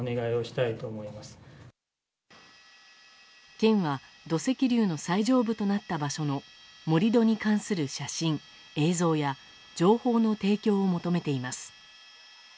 県は、土石流の最上部となった場所の盛り土に関する写真、映像や情報の提供を求めています。